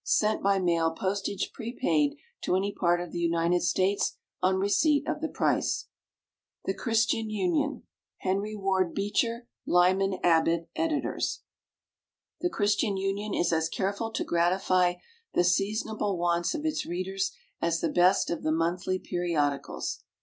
Sent by mail, postage prepaid, to any part of the United States, on receipt of the price. [Illustration: The Christian Union] HENRY WARD BEECHER, } Editors. LYMAN ABBOTT, }"_The Christian Union is as careful to gratify the seasonable wants of its readers as the best of the monthly periodicals.